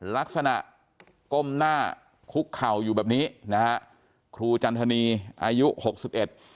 ลักษณะก้มหน้าคุกเข่าอยู่แบบนี้นะฮะครูจันทนีอายุหกสิบเอ็ด